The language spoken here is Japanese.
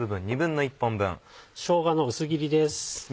しょうがの薄切りです。